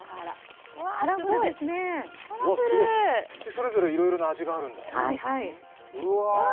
それぞれいろいろな味があるんだ。